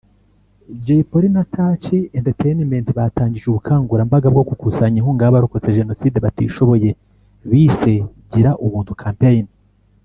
Jay Polly na Touch Entertainment batangije ubukangurambaga bwo gukusanya inkunga y’abarokotse Jenoside batishoboye bise ‘Gira Ubuntu Campain’